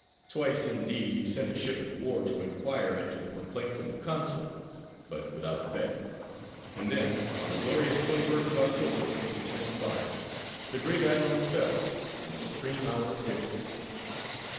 Twice, indeed, he sent a ship of war to inquire into the complaints of the consuls, but without effect; and then on the glorious Twenty First of October, 1805, the great admiral fell in the supreme hour of victory.